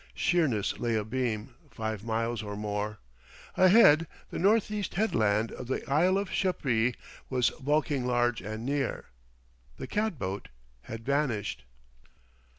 Sheerness lay abeam, five miles or more. Ahead the northeast headland of the Isle of Sheppey was bulking large and near. The cat boat had vanished....